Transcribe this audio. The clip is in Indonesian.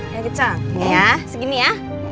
yang kecong ya segini ya